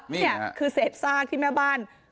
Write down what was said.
นี่ค่ะคือเสร็จสร้างที่แม่บ้าน